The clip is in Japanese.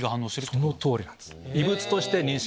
その通りなんです。